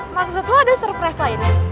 maksud lo ada surprise lainnya